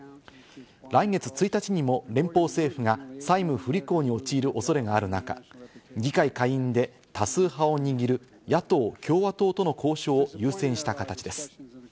来月１日にも連邦政府が債務不履行に陥る恐れがある中、議会下院で多数派を握る野党・共和党との交渉を優先した形です。